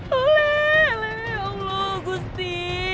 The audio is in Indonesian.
tolong ya allah gusti